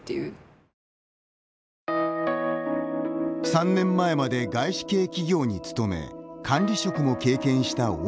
３年前まで、外資系企業に勤め管理職も経験した尾石さん。